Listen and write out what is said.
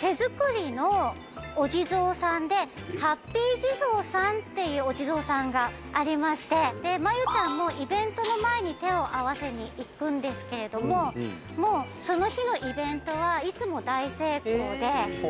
手作りのお地蔵さんでハッピー地蔵さんっていうお地蔵さんがありましてでまゆちゃんもイベントの前に手を合わせに行くんですけれどもその日のイベントはいつも大成功で。